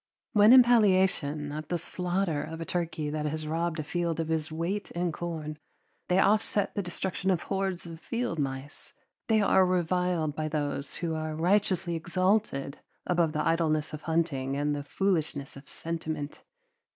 When in palliation of the slaughter of a turkey that has robbed a field of his weight in corn they offset the destruction of hordes of field mice, they are reviled by those who are righteously exalted above the idleness of hunting and the foolishness of sentiment.